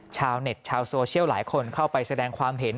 ชาวเน็ตชาวโซเชียลหลายคนเข้าไปแสดงความเห็น